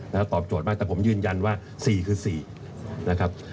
แล้วตอบโจทย์มากแต่ผมยืนยันว่า๔คือ๔นะครับ